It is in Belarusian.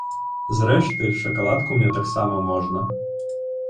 Зрэшты, шакаладку мне таксама можна!